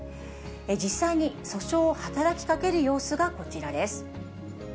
実際に訴訟を働きかける様子がこちらです。